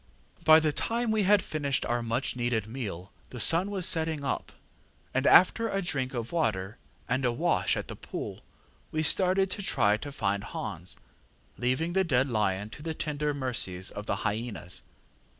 ŌĆ£By the time we had finished our much needed meal the sun was getting up, and after a drink of water and a wash at the pool, we started to try and find Hans, leaving the dead lion to the tender mercies of the hy├"nas.